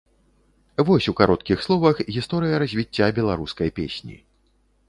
Вось у кароткіх словах гісторыя развіцця беларускай песні.